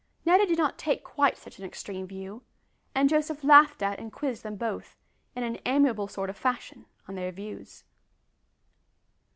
Netta did not take quite such an extreme view, and Joseph laughed at and quizzed them both, in an amiable sort of fashion, on their views.